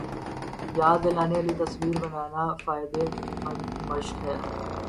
یاد دلانے والی تصاویر بنانا فائدے مند مشق ہے